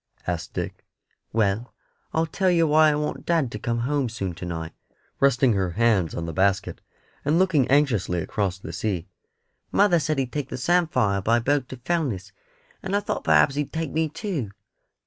asked Dick. "Well, I'll tell yer why I want dad to come home soon to night," said Tiny, resting her hands on the basket, and looking anxiously across the sea. "Mother said he'd take the samphire by boat to Fellness, and I thought perhaps he'd take me too."